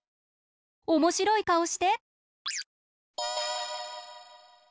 おもしろいかおして。